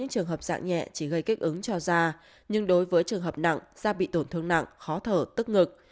những trường hợp dạng nhẹ chỉ gây kích ứng cho da nhưng đối với trường hợp nặng da bị tổn thương nặng khó thở tức ngực